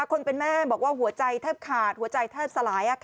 คนเป็นแม่บอกว่าหัวใจแทบขาดหัวใจแทบสลาย